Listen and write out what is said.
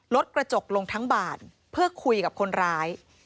ลดกระจกลงทั้งบ่านเพื่อคุยกับคนร้าย